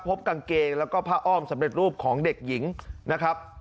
พบกางเกงแล้วก็ผ้าอ้อมสำเร็จรูปของเด็กหญิงนะครับ